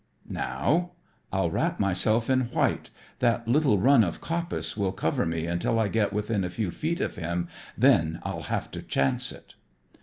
"Now. I'll wrap myself in white. That little run of coppice will cover me until I get within a few feet of him, then I'll have to chance it."